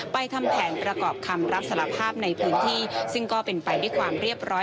ทำแผนประกอบคำรับสารภาพในพื้นที่ซึ่งก็เป็นไปด้วยความเรียบร้อย